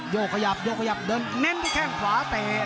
โยดขยับเลิกครับด้านข้างด้านข้างเตะ